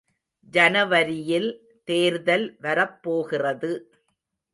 ஜனவரியில் தேர்தல் வரப்போகிறது.